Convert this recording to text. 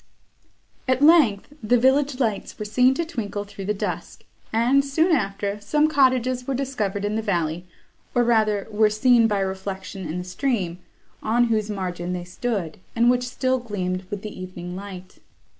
At length, the village lights were seen to twinkle through the dusk, and, soon after, some cottages were discovered in the valley, or rather were seen by reflection in the stream, on whose margin they stood, and which still gleamed with the evening light.